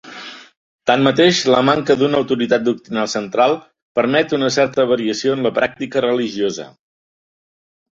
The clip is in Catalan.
Tanmateix, la manca d'una autoritat doctrinal central, permet una certa variació en la pràctica religiosa.